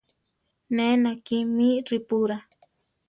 Ne nakí mí ripurá.